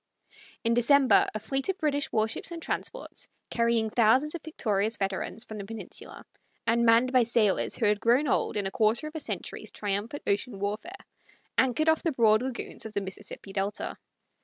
In December a fleet of British war ships and transports, carrying thousands of victorious veterans from the Peninsula, and manned by sailors who had grown old in a quarter of a century's triumphant ocean warfare, anchored off the broad lagoons of the Mississippi delta.